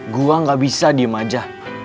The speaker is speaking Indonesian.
gua gak bisa diem aja